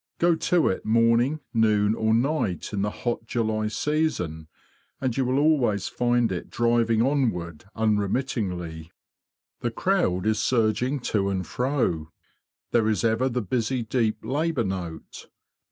Go to it morning, noon, or night in the hot July season, and you will always SUMMER LIFE IN A BEE HIVE 167 find it driving onward unremittingly. The crowd is surging to and fro. There is ever the busy deep labour note.